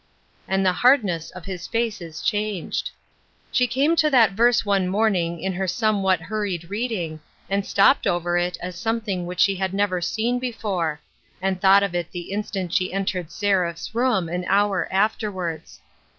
"And the hardness of his face is changed." She came to that verse one morning in her somewhat hurried reading, and stopped over it as something which she had never seen before ; and TRANSFORMATION. 253 thought of it the instant she entered Seraph's room, an hour afterwards.